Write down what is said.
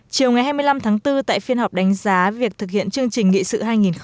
chiều ngày hai mươi năm tháng bốn tại phiên họp đánh giá việc thực hiện chương trình nghị sự hai nghìn ba mươi